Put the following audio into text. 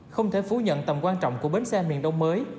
không thể phủ nhận tầm quan trọng của bến xe miền đông mới